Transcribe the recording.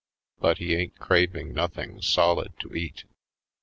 But he ain't craving nothing solid to eat.